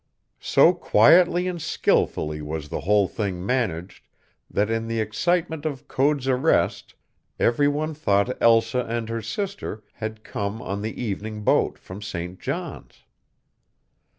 So quietly and skilfully was the whole thing managed that, in the excitement of Code's arrest, every one thought Elsa and her sister had come on the evening boat from St. John's.